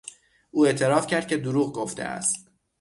او اعتراف کرد که دروغ گفته است.